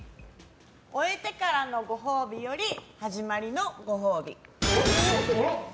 終えてからのご褒美より始まりのご褒美。